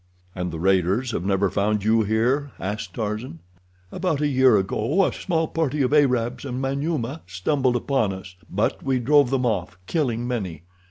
"And the raiders have never found you here?" asked Tarzan. "About a year ago a small party of Arabs and Manyuema stumbled upon us, but we drove them off, killing many.